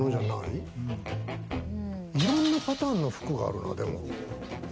いろんなパターンの服があるな、でも。